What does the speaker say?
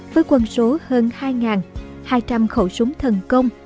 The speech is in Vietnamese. với quân số hơn hai hai trăm linh khẩu súng thần công